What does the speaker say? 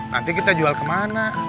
nanti kita jual kemana